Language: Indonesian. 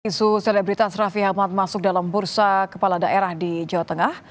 isu selebritas raffi ahmad masuk dalam bursa kepala daerah di jawa tengah